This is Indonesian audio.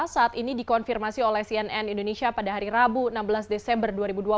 saat ini dikonfirmasi oleh cnn indonesia pada hari rabu enam belas desember dua ribu dua puluh